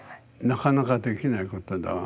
なかなかできないことだわ。